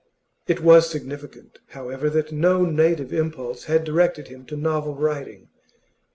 It was significant, however, that no native impulse had directed him to novel writing.